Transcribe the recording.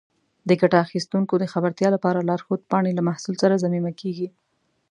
د ګټه اخیستونکو د خبرتیا لپاره لارښود پاڼې له محصول سره ضمیمه کېږي.